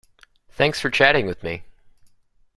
Thanks for chatting with me.